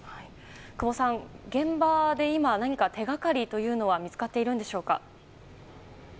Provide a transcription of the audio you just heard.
久保さん、現場で今何か手掛かりというのは見つかっているんでしょうか？